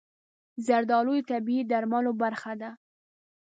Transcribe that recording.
زردالو د طبیعي درملو برخه ده.